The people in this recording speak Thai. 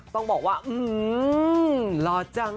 เพิ่งบอกว่าร้อนจัง